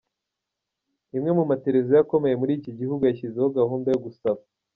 Imwe mu mateleviziyo akomeye muri iki gihugu yashyizeho gahunda yo gusaba.